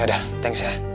ya udah thanks ya